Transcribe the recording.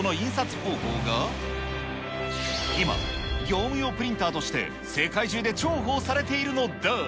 方法が、今、業務用プリンターとして、世界中で重宝されているのだ。